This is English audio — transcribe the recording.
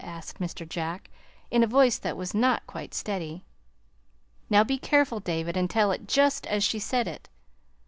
asked Mr. Jack in a voice that was not quite steady. "Now, be careful, David, and tell it just as she said it."